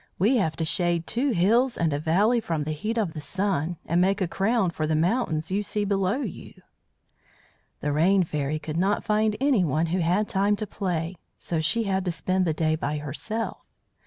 "We have to shade two hills and a valley from the heat of the Sun, and make a crown for the mountains you see below you." The Rain Fairy could not find anyone who had time to play, so she had to spend the day by herself.